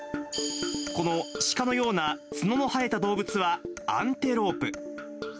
この鹿のような角の生えた動物は、アンテロープ。